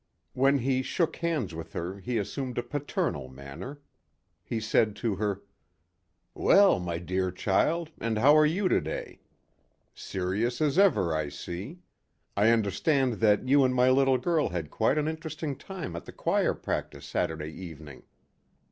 When he shook hands with her he assumed a paternal manner. He said to her: "Well, my dear child, and how are you today? Serious as ever, I see. I understand that you and my little girl had quite an interesting time at the choir practice Saturday evening.